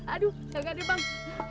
aduh kakak deh bang